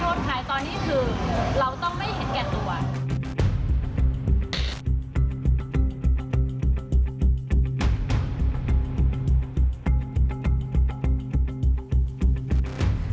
เราไม่โทษภายตอนนี้คือเราต้องไม่เห็นแก่ตัว